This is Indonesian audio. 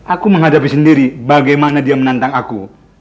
aku menghadapi sendiri bagaimana dia menantang aku